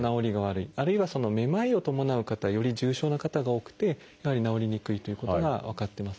あるいはめまいを伴う方はより重症な方が多くてやはり治りにくいということが分かってます。